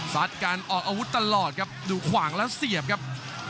การออกอาวุธตลอดครับดูขวางแล้วเสียบครับ